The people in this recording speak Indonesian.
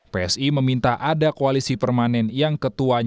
psi meminta ada koalisi permanen yang ketuanya